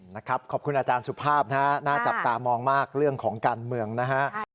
นะครับขอบคุณอาจารย์สุภาพนะฮะน่าจับตามองมากเรื่องของการเมืองนะฮะ